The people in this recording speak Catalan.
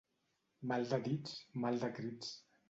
Mal de dits, mal de crits.